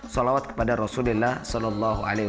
salawat kepada rasulullah saw